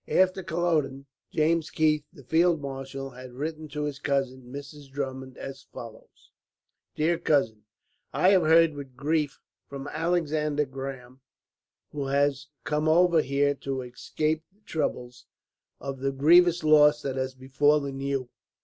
After Culloden, James Keith, the field marshal, had written to his cousin, Mrs. Drummond, as follows: "Dear Cousin, "I have heard with grief from Alexander Grahame, who has come over here to escape the troubles, of the grievous loss that has befallen you.